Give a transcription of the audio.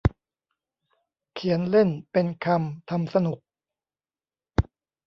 เขียนเล่น เป็นคำ ทำสนุก